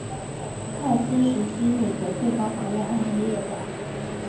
蔡斯时期美国最高法院案例列表